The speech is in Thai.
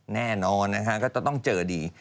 แน่นอนก็ต้องเจอดี